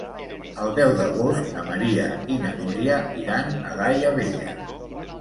El deu d'agost na Maria i na Núria iran a Daia Vella.